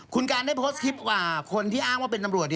คุณการได้โพสต์คลิปกว่าคนที่อ้างว่าเป็นตำรวจ